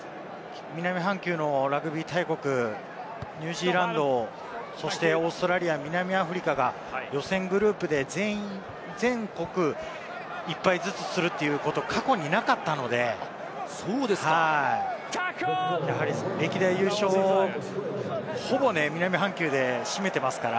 南半球のラグビー大国、ニュージーランド、そしてオーストラリア、南アフリカが予選グループで全国１敗ずつするということは過去になかったので、やはり歴代優勝をほぼ南半球で占めていますから。